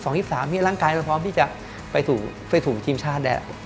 ๒๒๒๓นี่ร่างกายเราพร้อมที่จะไปสู่ทีมชาติได้